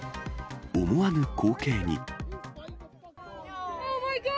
思わぬ光景に。